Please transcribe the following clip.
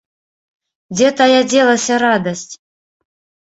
Дзе тая дзелася радасць!